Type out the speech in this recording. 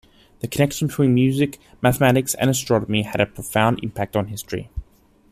The connection between music, mathematics, and astronomy had a profound impact on history.